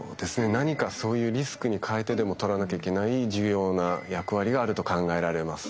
何かそういうリスクに代えてでもとらなきゃいけない重要な役割があると考えられます。